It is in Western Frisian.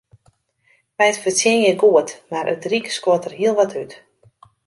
Wy fertsjinje goed, mar it ryk skuort der hiel wat út.